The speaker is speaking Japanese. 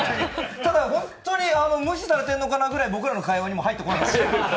ただ、本当に無視されているのかなくらい僕らの会話にも入ってこなかった。